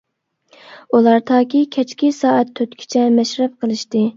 ئۇلار تاكى كەچكى سائەت تۆتكىچە مەشرەپ قىلىشتى.